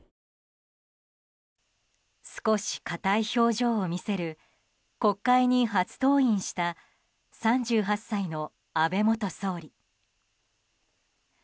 少し硬い表情を見せる国会に初登院した３８歳の安倍元総理。